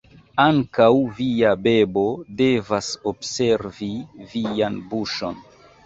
Ankaŭ via bebo devas observi vian buŝon.